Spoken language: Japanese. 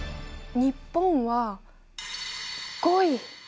日本は５位！